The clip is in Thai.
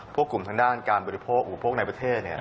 พวกกลุ่มทางด้านการบริโภคหรือพวกในประเทศเนี่ย